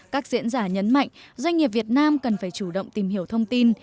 các diễn giả nhấn mạnh doanh nghiệp việt nam cần phải chủ động tìm hiểu thông tin